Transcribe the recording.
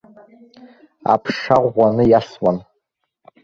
Аԥша ӷәӷәаны иасуан.